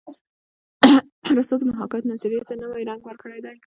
ارستو د محاکات نظریې ته نوی رنګ ورکړی دی